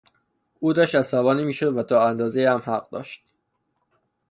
او داشت عصبانی میشد و تا اندازهای هم حق داشت.